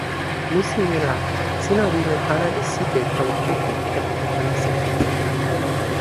musi ni la sina wile pana e sike tawa poki kepeken palisa.